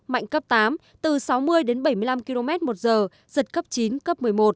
mạnh cấp tám từ sáu mươi đến bảy mươi năm km một giờ giật cấp chín cấp một mươi một